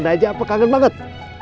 kangen aja apa kangen banget